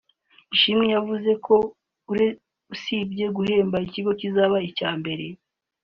Ishimwe yavuze ko usibye guhemba ikigo kizaba icya mbere